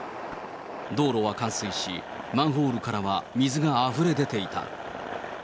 道路は冠水し、マンホールからは水があふれ出ていた。